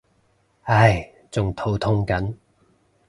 唉仲肚痛緊